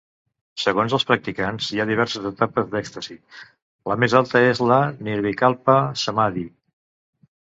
Segons els practicants, hi ha diverses etapes d'èxtasi; la més alta és el Nirvikalpa Samadhi.